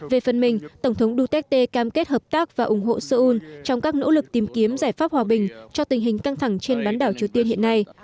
về phần mình tổng thống duterte cam kết hợp tác và ủng hộ seoul trong các nỗ lực tìm kiếm giải pháp hòa bình cho tình hình căng thẳng trên bán đảo triều tiên hiện nay